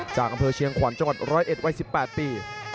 จากกำเภอเชียงขวัญจังหวัดร้อยเอ็ดไว้สิบแปดปี